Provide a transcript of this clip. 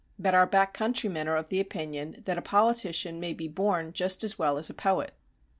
But our backcountrymen are of the opinion that a politician may be born just as well as a poet."